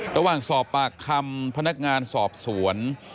ระหว่างสอบปากคำพนักงานสอบสวน